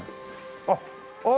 あっああ